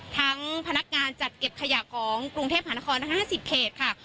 พนักงานจัดเก็บขยะของกรุงเทพหานคร๕๐เขตค่ะ